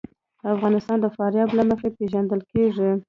افغانستان د فاریاب له مخې پېژندل کېږي.